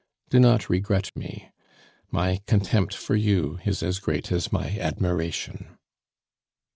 "Do not regret me: my contempt for you is as great as my admiration.